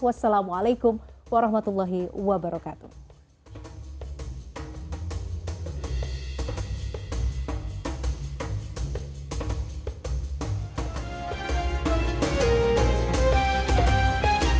wassalamualaikum warahmatullahi wabarakatuh